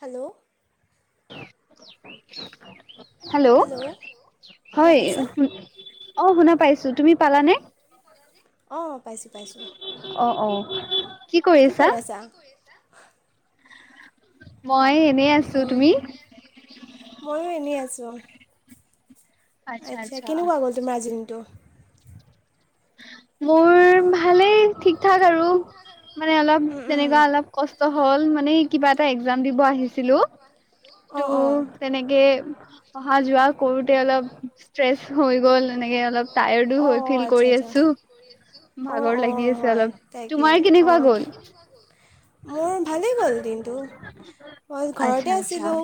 Hello, hello, শুনা হয় পাইছা শ অ, শুনা পাইছো তুমি পালা নে? অ', পাইছোঁ, পাইছোঁ। অ অ কি কৰি আছা? মই এনেই আছো তুমি? অ', ময়ো এনেই আছোঁ। আচ্ছা, কেনেকুৱা গ'ল তোমাৰ‌ আজি দিনটো? মোৰ ভালেই ঠিক ঠাক আৰু। মানে অলপ উম উম তেনেকুৱা অলপ কষ্ট হ'ল মানে, কিবা এটা একজাম দিব আহিছিলোঁ। টো, অঁ অঁ তেনেকে অহা, যোৱা কৰোঁতে অলপ। ত্ৰেছ হৈ গ'ল, এনেকে অলপ টায়াৰ্ডো অঁ হৈ, অঁ ফিল আচ্ছা কৰি আচ্ছা আছোঁ। অঁ ভাগৰ লাগি অঁ আছে হয় অলপ, তাকে তোমাৰ কেনেকুৱা অঁ কি গ'ল? মোৰ ভালেই গ'ল দিনটো। মই আচ্ছা ঘৰতে আচ্ছা আছিলোঁ।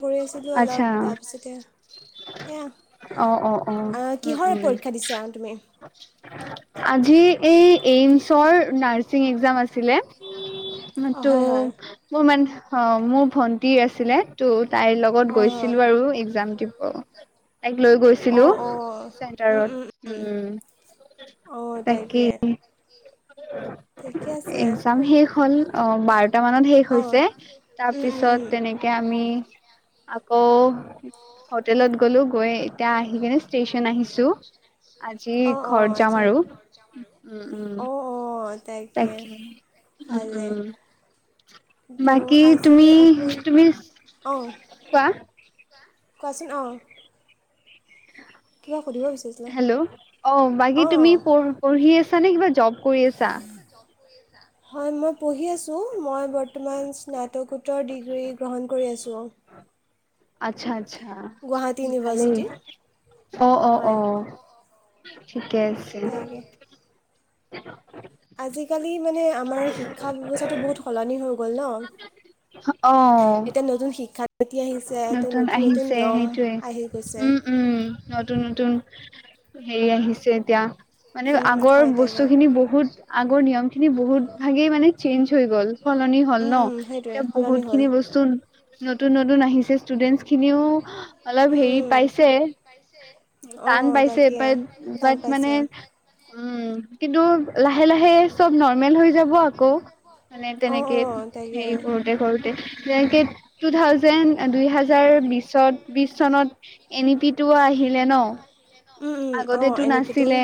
ঘূৰি আছিলোঁ অলপ আচ্ছা। তাৰপিছতে সেয়া অ', অ', অ', আহ, উম, কিহৰ উম। পৰীক্ষা দিছা তুমি আজি এই এইমচৰ নাৰ্ছিং একজাম আছিলে। অঁ তটো হয় হয় মোৰ মান অ' মোৰ ভন্টি আছিলে ত তাইৰ লগত অঁ হয় গৈছিলো আৰু এক্জাম দিব। তাইক লৈ গৈছিলো অঁ অঁ চেন্টাৰত উম। অ', তাকে তেকয়া আ এক্জাম শেষ হ'ল অ' বাৰটা মানত শেষ অঁ হৈছে উম উম উম তাৰপিছত তেনেকে আমি আকৌ হোটেলত গ'লো গৈ এতিয়া আহি কিনে ষ্টেশচন আহিছো। আজি অঁ অঁ ঘৰত যাম আচ্ছা আৰু উম উম। অঁ অঁ তাকে উম উম। কি ত' বাকী আজি তুমি অক অ', হ কোৱাচোন অ' বিচাৰিছিলা হেল্ল' অ বাকী অঁ তুমি অঁ পঢ়ি আছা নে কিবা জব কৰি আছা হয় মই পঢ়ি আছো মই বৰ্তমান স্ন উত্তৰ ডিগ্ৰী গ্ৰহণ কৰি আছোঁ। আচ্ছা আচ্ছা গুৱাহাটী ভালেই ইউনিভাৰ্চিটিত অ' অ' হয় অ' ঠিকে আছে। তাকে আজিকালি মানে আমাৰ শিক্ষা ব্যৱস্থাটো বহুত সলনি হৈ গ'ল ন' আহ এতিয়া নতুন শিক্ষানীতি আহিছে তো নতুন আহিছে নিয়ম সেইটোয়ে আহি গৈছে উম উম। নতুন নতুন হেৰি আহিছে এতিয়া মানে উম, আগৰ হয় তাকে বস্তুখিনি বহুত আগৰ নিয়ম খিনি বহুত ভাগেই মানে চেঞ্জ হৈ গ'ল। সলনি হল উম, ন উম, সেইটোৱে এতিয়া বহুত সলনি হ'ল খিনি বস্তু নতুন নতুন আহিছে। ষ্টুডেন্ট খিনিও অলপ উম, হেৰি উম। পাইছে। টান অঁ পাইছে তাকে বাট টান বাট মানে পাইছে উম, কিন্তু লাহে, লাহে চব নৰ্মেল হৈ যাব আকৌ। মানে অঁ তেনেকে অঁ তাকে হেৰি কৰোঁতে, কৰোঁতে [unintelligible] টু থাউজেণ্ড দুইহাজাৰ বিচত, বিচ চনত এন ই পি টোও আহিলে ন'। উম উম অঁ আগতেতো এন ই পিটো নাছিলে,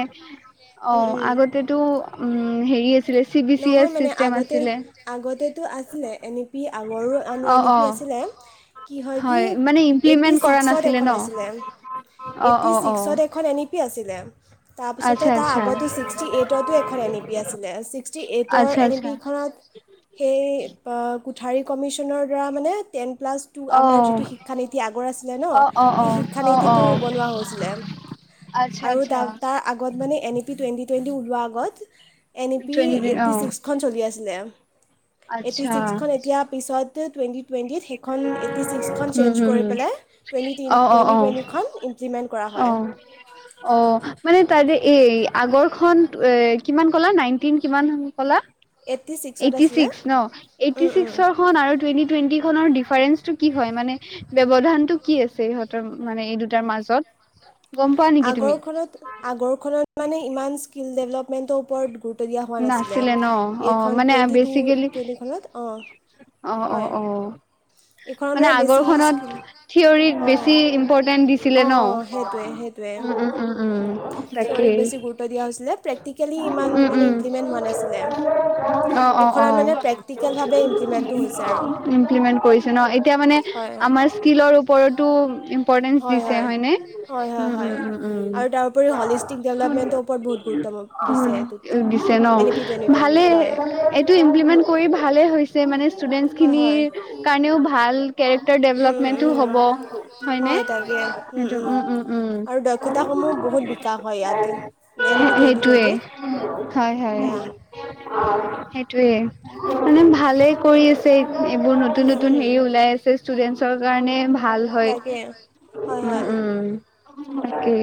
উম অ', উম আগতেতো উম, হেৰি আছিলে চি বি চি এছ নহয় মানে চিষ্টেম আগতে, আছিলে আগতেতো আছিলে, এন ই পি আগৰো অ আ-এন ই অ পি আছি [unintelligible] কি হয়, কি মানে এইটটি ইমপ্লিমেন্ট কৰা চিক্সত নাছিলে এখন ন আছিলে, অ এইটটি অ অ চিক্সত এখন এন ই পি আছিলে, তাৰপিছতে আচ্ছা তাৰ আচ্ছা আগটো চিক্সটি এইটটো এখন এন ই পি আছিলে চি [unintelligible] এইটৰ আচ্ছা এন ই আচ্ছা পি খনত সেই [unintelligible] কোঠাৰী কমিচনৰ দ্বাৰা মানে টেন প্লাছ টু, অ আমাৰ যিটো শিক্ষানীতি আগৰ আছিলে ন' অ অ অ সেই অ অ শিক্ষানীতিটো বনোৱা হৈছিলে। আচ্ছা আৰু আচ্ছা তাৰ, তাৰ আগত মানে N E P twenty twenty ওলোৱাৰ আগত N E P twenty eighty অ ছিক্সখন চলি আছিলে। এইটি আচ্ছা ছিক্সখন এতিয়া পিছত টুৱেন্টি টুৱেণ্টিত সেইখন এইটি ছিক্সখন হুম চেঞ্জ হুম কৰি হুম পেলাই [unintelligible] টুৱেটি, অ অ অ টুৱেণ্টিখন ইমপ্লিমেণ্ট কৰা হয় অ', অ', মানে তাৰে এই আগৰখন এ কিমান ক'লা? নাইনটিন কিমান ক'লা? এইট্টি ছিক্সত এইটি আছিলে ছিক্স ন? এইটি উম, উম। ছিক্সৰ খন আৰু টুৱেন্টি, টুৱেন্টি খনৰ ডিফাৰেন্সটো কি হয় মানে? ব্যবধানটো কি আছে ইহঁতৰ মানে এই দুটাৰ মাজত? গম পোৱা নেকি তুমি আগৰখনত আগৰখনত মানে ইমান স্কিল ডেভলপমেন্টৰ ওপৰত গুৰুত্ব দিয়া হোৱা নাছিলে ন অ এইখন মানে টুৱেণ্টি টু বেচিকেলি টুৱেণ্টিখনত অ, অ', অ', অ'। এইখনত মানে বেছি আগৰখনত স্কিল থিয়ৰিক বেছি অঁ ইম্পৰ্টেন্ট দিছিলে অঁ ন? অঁ সেইটোৱে সেইটোৱে উম, উম, উম। উম থিয়ৰীক তাকেই বেছি গুৰুত্ব দিয়া হৈছিলে, প্ৰেক্টিকেলি ইমান উম মানে উম ইমপ্লিমেণ্ট হোৱা নাছিলে। অ', অ', এইখনত অ', মানে প্ৰেক্টিকেলভাৱে ইমপ্লিমেণ্টটো হৈছে আৰু ইমপ্লিমেণ্ট কৰিছে ন', এতিয়া মানে হয়। আমাৰ স্কিলৰ ওপৰতো ইম্পৰৰ্টেঞ্চ হয় দিছে হয় হয়নে? হয় হয় উম, হয় উম, উম, উম। আৰু তাৰোপৰি হলিষ্টিক ডেভেলপমেণ্টৰ ওপৰত বহুত গুৰুত্ব দিছে এইটোত। শ শ ন এন ই পি টুৱেণ্টি ভালে টুৱেণ্টিত হয় এইটো ইমপ্লিমেণ্ট কৰি ভালে হৈছে মানে। হয় হয় ষ্টুডেণ্টছখিনিৰ কাৰণেও ভাল কেৰেক্টাৰ ডেভেলপমেণ্টো হ'ব হয়নে ডেভেলপমেণ্টো সেইটো উ উ বুত বিশ হয় ইয় এন বি টুৱেটি টুৱটি হয়-হয় সেইটোৱে মানে ভালে কৰি আছে। এইবোৰ উম, নতুন-নতুন উম। হেৰি ওলাই আছে ষ্টুডেন্টছৰ কাৰণে ভাল ভাল হয় তাকে হয় উ হয় উম ত কি?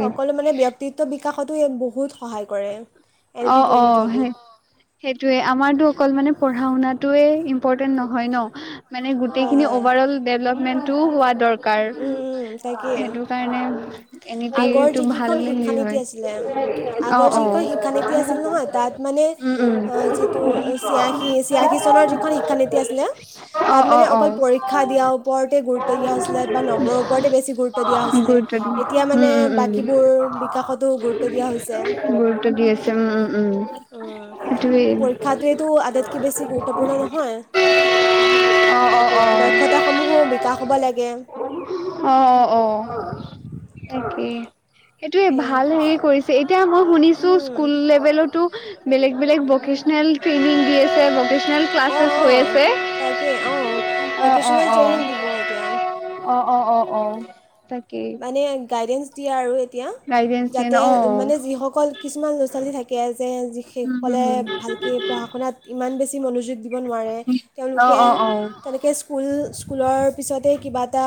সতো ইয়াত বহুত সহায় কৰে এন পি অ', টুৱেণ্টি অ', টুৱেণ্টিত সেই সেইটোয়ে আমাৰতো অকল মানে পঢ়া শুনাত টয়ে ইম্পৰ্টেন্ট নহয় ন' মানে হয় গোটেইখিনি হয় অভাৰ অল ডেভলপমেণ্টটো হোৱা দৰকাৰ উম, উম, তাকে সেইটো কাৰণে, এনেপি আগৰ তো ভাল যিকেইখন হেৰি শিক্ষানীতি হয় আছিলে আগৰ অ' যিকেইখন অ' শিক্ষানীতি আছিল নহয় তাত মানে উম আহ, যিটো উম। ছিয়াশী ছিয়াশী চনৰ যিখন শিক্ষানীতি আছিলে অ তাত অ মানে অ অকল পৰীক্ষা দিয়াৰ ওপৰতে গুৰুত্ব দিয়া হৈছিলে বা নম্বৰৰ ওপৰতে বেছি গুৰুত্ব দিয়া গুৰুত্ব দি হৈছিলে। এতিয়া উম মানে উম উম বাকীবোৰ বিকাশতো গুৰুত্ব দিয়া হৈছে। গুৰুত্ব দি আছে উম উম উম। সেইটোৱেই পৰীক্ষাটোৱটো আটাইতকৈ বেছি গুৰুত্বপূৰ্ণ নহয়। অ অ তাকে অ দক্ষতাসমূহো বিকাশ হ'ব লাগে। অ' অ' অ' তাকেই এইেইটোয়ে ভাল হেৰি কৰিছে এতিয়া মই শুনিছো স্কুল উম। লেভেলতো, বেলেগ বেলেগ ভকেশ্যনেল ট্ৰেইনিং দি আছে ভেশ্য অ', অ', তাকে অ', অ', অ', ভকেশচনেল ট্ৰেইনিং দিব এতিয়া অ', অ', অ', অ', তাকেই দ আৰু এতিয়া গাইডেন্স দিয়ে যাতে অ'। মানে যিসকল কিছুমান ল'ৰা ছোৱালী থাকে উম, হম, যেসকলে হম ভালকে পঢ়া শুনাত ইমান বেছি মনোযোগ দিব নোৱাৰে অ', তেওঁলোকে অ', অ'। তেনেক স্কুল স্কুলৰ পিছতে কিবা এটা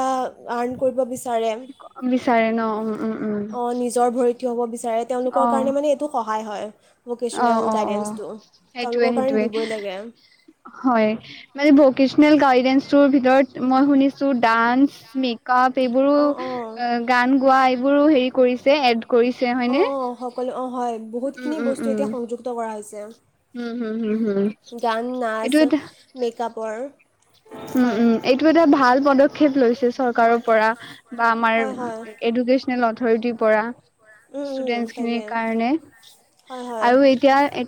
আৰ্ণ কৰিব বিচাৰে। বিচাৰে ন উম - উম। উম, অ', নিজৰ ভৰি থি হব বিচাৰে তেওঁলোকৰ অ'। কাৰণে মানে এইটো সহায় হয়। অ', ভকেচনেল অ', অ'। গাইডেঞ্চটো সেইটোয়ে তেওঁলোকৰ কাৰণে সেইটোয়ে দিবই লাগে। হয় মানে ভকনেল গাইডে ভিতৰত মই শুনিছো। ডান্স মেক আপ এইবোৰো অ', অ'। গান গোৱা এইবোৰো হেৰি কৰিছে। কৰিছে হয়নে? অ', অ', সকলো অ' হয় উম বহুতখিনি উম বস্তু উম এতিয়া সংযুক্ত কৰা হৈছে। উম হুম হুম হুম। গান, নাচ, মেকআপ উম-উম এইটো এটা ভাল পদক্ষেপ লৈছে চৰকাৰৰ পৰা বা আমাৰ হয়, হয়। এডুকেশ্বনেল পৰা উম, উম, তাকে খিনিৰ কাৰণে হয়, হয়, আৰু এ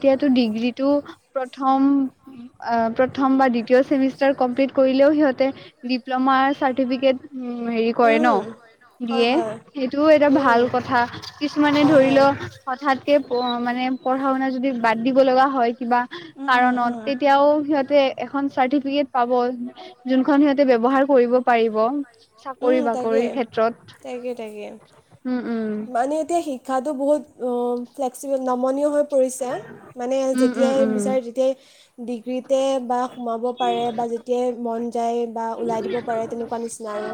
আহ প্ৰথম বা দ্বিতীয় চেমিষ্টাৰ কমপ্লিট কৰিলেও সিহঁতে ডিপ্লমা চাৰ্টিফিকেট হেৰি কৰে ন'। উম, হয়, দিয়ে হয়, সেইটোও এটা ভাল উম। কথা কিছুমানে হয়, ধৰি হয়, লও হঠাৎ, মানে পঢ়া-শুনা যদি বাদ দিব লগা হয়। কিবা উম, উম, কাৰণত উম। তেতিয়াও সিহঁতে এখন চাৰ্টিফিকেট পাব যোনখন সিহঁতে ব্যৱহাৰ কৰিব পাৰিব। উম, তাকে, চাকৰি-বাকৰিৰ তাকে, তাকে। ক্ষেত্ৰত উম-উম। শিকাতো বহুত অ' ফ্লেক্স নমনীয় হৈ মানে উম উম যেতিয়াই উম বিচাৰে তেতিয়াই ডিগ্ৰীতে বা সোমাব পাৰে বা যেতিয়াই মন যায় বা ওলাই দিব পাৰে, তেনেকুৱা নিচিনা আৰু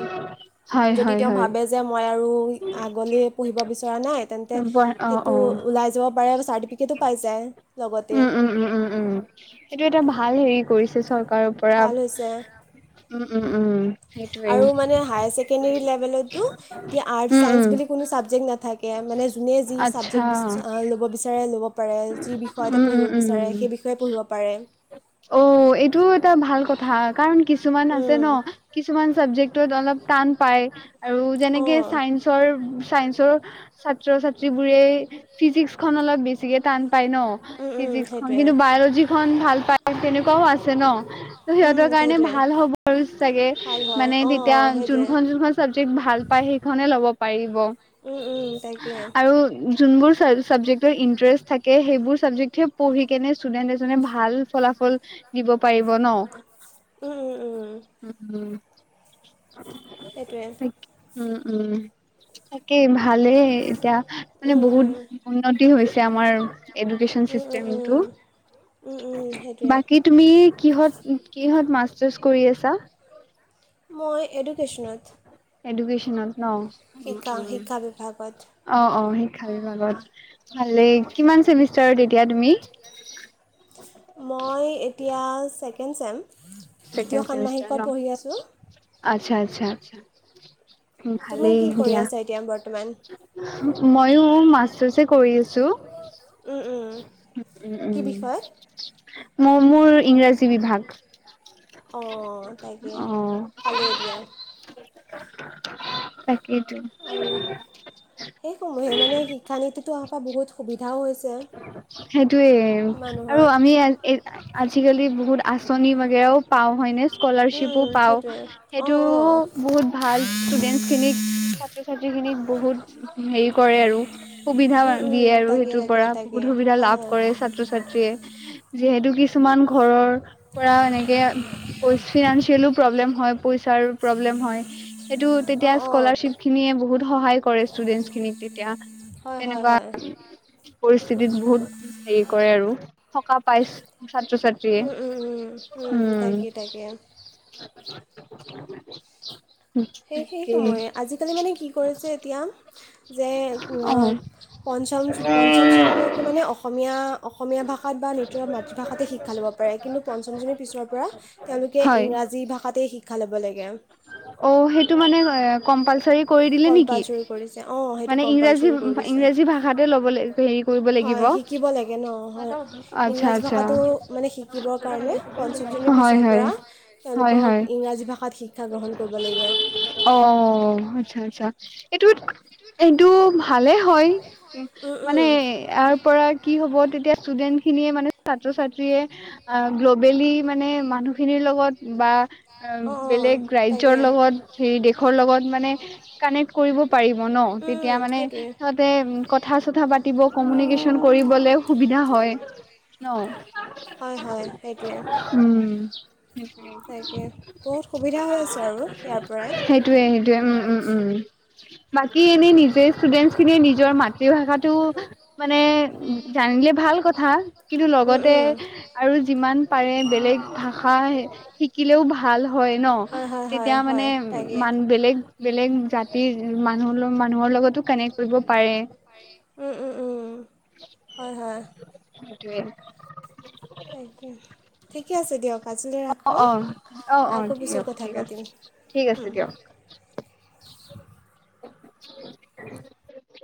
হয় যদি হয় তেওঁ হয় ভাবে যে মই আৰু আগলৈ পঢ়িব বিচৰা নাই তেন্তে অ সেইটো অ ওলাই যাব পাৰে, চাৰ্টিফিকেটো পাই যায়। লগতে উম উম উম উম উম সেইটো এটা ভাল হেৰি কৰিছে চৰকাৰ। ত' পৰা ভাল হৈছে উম-উম-উম। আৰু মানে হায়াৰ ছেকেণ্ডৰী লেভেলতো এতিয়া আৰ্ট উম উম চাইন্স বুলি কোনো ছাবজেক্ট নাথাকে। মানে যোনে যি আচ্ছা য়ে পাৰে, যি বিষয়ে উম উম পঢ়িব বিচাৰে, উম সেই বিষয়তে পাৰে। অ' এইটো এটা ভাল কথা কাৰণ কি কিছুমান আছে উম ন' কিছুমান চাবজেক্টত অলপ টান পায়। আৰু যেনেকে অঁ চাইন্সৰ চাইন্স ছাত্ৰ-ছাত্ৰী বোৰে ফিজিক্স খন অলপ বেছিকে টান পাই ন উম উম ফিজিক্স খন সেইটোৱে কিন্তু বায়লজি খন ভাল পায়, তেনেকুৱাও আছে ন'। ত' উম সিহঁতৰ কাৰণে সেইটোৱে ভাল হ'ব চাগে ভাল হয় মানে অঁ তেতিয়া অঁ সেইটোৱে যোনখন-যোনখন চাবজেক্ট ভাল ভাল পাই সেইখনে ল'ব। পাৰিব উম উম তাকে আৰু যোনবোৰ চাবজেক্টৰ ইন থাকে সেইবোৰ ছাবজেক্টে পঢ়ি কেনে ষ্টুডেণ্ট এজনে ভাল ফলাফল দিব পাৰিব ন' উম'। সেইটোৱে তাক উম-উম তাকেই ভালেই এতিয়া। মানে উম বহুত উম উন্নতি হৈছে আমাৰ। এডুকেশচন উম উম চিষ্টেমটো উম উম, উম, সেইটোৱে বাকী তুমি কিহত কিহত মাষ্টাৰছ কৰি আছা? মই এডুকেশ্যনত এডুকেচনত ন শিকা শিক্ষা বিভাগত অ', -অ' শিক্ষা বিভাগত। ভালে কিমান চেমিষ্টাৰ। মই এতিয়া ছেকেণ্ড চেম দ্বিতীয় ছেকেণ্ড ষান্মাহিকত পঢ়ি আছোঁ। আচ্ছা-আচ্ছা-আচ্ছা তুমি ভালেই কি কৰি দিয়া। ময়ো ময়ো মাষ্টাৰ্ছে কৰি আছো। মাষ্টাৰৰ্ছে কৰি আছো। উম, উ-উ কি উম, বিষয়। মোৰ, মোৰ ইংৰাজী বিভাগ। অ', তাকাকে ভালে দিয়া তাকে আৰু সেই সমূহে মানে শিক্ষানীতিতো অহাৰ পৰা বহুত সুবিধাও হৈছে। [unintelligible] সেইটোয়ে আৰু মানুহৰ আমি এট আজিকালি বহুত আঁচনি বাগেৰাও পাওঁ হয়নে। উম, স্কলাৰশ্বিপো উম, পাওঁ সেইটোৱে অঁ সেইটো অঁ বহুত ভাল ষ্টুডেন্টখিনিক ছাত্ৰ ছাত্ৰীখিনিক বহুত হেৰি কৰে আৰু সুবিধা উম, দিয়ে উম, আৰুে তাকে ইটোৰ তাকে পৰা তাকে বহুত সুবিধা হয় লাভ হয় কৰে ছাত্ৰ ছাত্ৰীয়ে। যিহেতু কিছুমান ঘৰৰ পৰা এনেকে। [unintelligible] প্ৰব্লেম হয় পইচাৰো প্ৰব্লেম হয় সেইটো তেতিয়া অঁ অঁ স্কলাৰশ্বিপ। খিনিয়ে বহুত সহায় কৰে ষ্টুডেন্টখিনিক তেতিয়া। হয় হয় তেনেকুৱা হয়। পৰিস্থিতিত বহুত হেৰি কৰে আৰু সকাহ পাইছ ছাত্ৰ ছাত্ৰীয়ে, উম, উম, উম, উম। তাকে তাকে [unintelligible] সেই সেই তাকেই সময়ে আজিকালি মানে কি কৰিছে এতিয়া যে অ পঞ্চম পঞ্চম শ্ৰেণীলৈকে মানে অসমীয়া অসমীয়া ভাষাত বা নিজৰ মাতৃভাষাতে শিক্ষা ল'ব পাৰে কিন্তু পঞ্চম পিছৰ পৰা তেওঁলোকে হয় ইংৰাজী ভাষাতেই শিক্ষা ল'ব লাগে। অ সেইটো মানে কম্পালচাৰি কম্পালচাৰি কৰিছে অঁ সেইটো ইংৰাজী কম্পালচাৰি কৰিছে। ইংৰাজী ভাষাতে ল'ব হেৰি কৰিব লাগিব হয় শিকিব লাগে ন হয় আচ্ছা ইংৰাজী আচ্ছা ভাষাটো মানে শিকিব কাৰণে পঞ্চম শ্ৰেণীৰ হয় পিছৰ হয় পৰা হয় তেওঁলোকক হয় ইংৰাজী ভাষাত শিক্ষা গ্ৰহণ কৰিব লগীয়া অ আচ্ছা আচ্ছা এইটো, এইটো ভালে হয়। উম মানে উম, ইয়াৰ পৰা কি হব তেতিয়া ষ্টুডেণ্টখিনিয়ে মানে ছাত্ৰ ছাত্ৰীয়ে অ গ্ল'বেলি মানে মানুহ খিনিৰ লগত বা অ অঁ অঁ বেলেগ ৰাজ্যৰ তাকে লগত হেৰি দেশৰ লগত মানে কানেক্ট কৰিব পাৰিব ন। তেতিয়া উম মানে সেইটোৱে সিহঁতে কথা পাতিব কমিউনিকেশ্বন কৰিবলে সুবিধা হয় ন। হয় হয় সেইটোৱে। উম তাকে বহুত সুবিধা হৈ আছে আৰু ইয়াৰ পৰাই সেইটোৱে। উম উম উম বাকী এনে নিজে ষ্টুডেন্টছখিনিয়ে নিজৰ মাত [unintelligible] ভাষাটো মানে জানিলে ভাল কথা। কিন্তু উম লগতে উম আৰু যিমান পাৰে বেলেগ ভাষা শিকিলেও ভাল। হয় নহ হয় হয় হয় তেতিয়া হয় মানে তাকে মান বেলেগ বেলেগ জাত। এই মানুহ মানুহৰ লগতো কানেক্ট কৰিব পাৰে। উম উম উম হয় হয়। সেইটোৱে। তাকে ঠিকে আছে দিয়ক। আজিলৈ ৰাখোঁ। অ, আকৌ পিছত দিয়ক কথা ঠিক আছে পাতিম। ঠিক আছে উম। দিয়ক